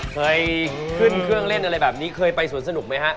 เคยขึ้นเครื่องเล่นอะไรแบบนี้เคยไปสวนสนุกไหมฮะ